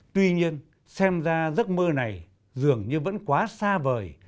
tuy nhiên xem ra giấc mơ này dường như vẫn quá xa vời